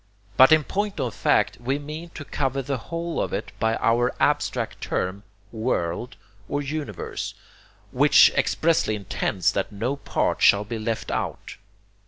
But in point of fact we mean to cover the whole of it by our abstract term 'world' or 'universe,' which expressly intends that no part shall be left out.